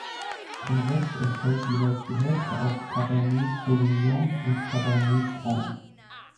Vom Rest entfällt jeweils die Hälfte auf Cabernet Sauvignon und Cabernet Franc.